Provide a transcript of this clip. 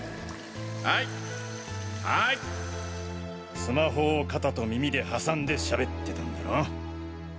はいはいスマホを肩と耳で挟んでしゃべってたんだろ？